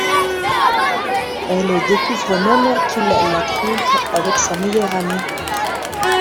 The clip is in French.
Elle découvre même qu'il la trompe avec sa meilleure amie.